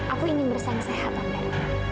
aku ingin bersenang sehat andara